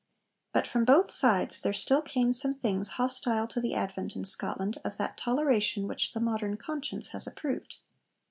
But from both sides there still came some things hostile to the advent in Scotland of that toleration which the modern conscience has approved.